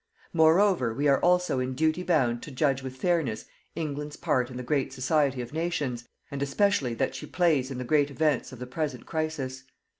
Moreover, we are also in duty bound to judge with fairness England's part in the great society of nations, and, especially, that she plays in the great events of the present crisis.